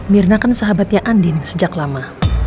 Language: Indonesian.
mirna kan sahabatnya andin sejak lama